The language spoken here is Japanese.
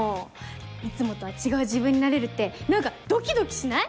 いつもとは違う自分になれるって何かドキドキしない？